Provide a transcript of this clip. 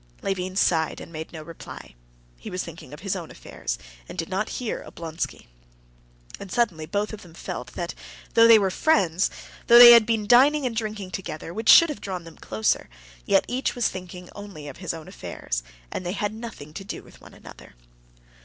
Levin sighed and made no reply. He was thinking of his own affairs, and did not hear Oblonsky. And suddenly both of them felt that though they were friends, though they had been dining and drinking together, which should have drawn them closer, yet each was thinking only of his own affairs, and they had nothing to do with one another.